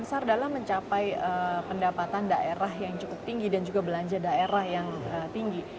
pasar dalam mencapai pendapatan daerah yang cukup tinggi dan juga belanja daerah yang tinggi